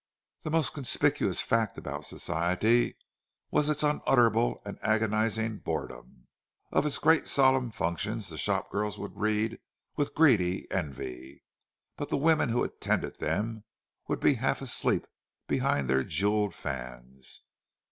The most conspicuous fact about Society was its unutterable and agonizing boredom; of its great solemn functions the shop girl would read with greedy envy, but the women who attended them would be half asleep behind their jewelled fans.